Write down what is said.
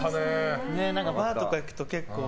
バーとか行くと、結構。